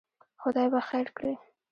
خدای به خیر کړي.